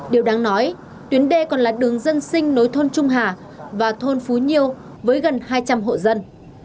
điều đáng nói tuyến đê còn là đường dân sinh nối thôn trung hà và thôn phú nhiêu với gần hai trăm linh hộ dân